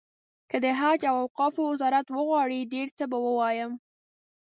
که د حج او اوقافو وزارت وغواړي ډېر څه به ووایم.